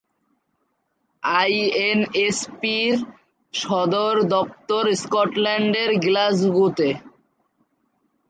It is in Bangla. আইএনএসপি-র সদর দফতর স্কটল্যান্ডের গ্লাসগোতে।